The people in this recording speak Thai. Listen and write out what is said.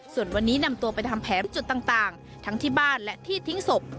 ส่วนวันนี้นำตัวไปทำแผนจุดต่างทั้งที่บ้านและที่ทิ้งศพ